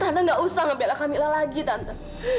tante nggak usah ngebelah kamila lagi tante